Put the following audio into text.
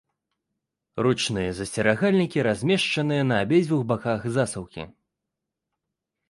Ручныя засцерагальнікі размешчаныя на абедзвюх баках засаўкі.